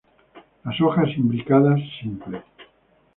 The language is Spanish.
Las hojas imbricadas, simples.